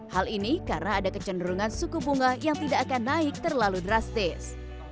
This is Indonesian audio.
hal ini karena ada kecenderungan suku bunga yang tidak akan naik terlalu drastis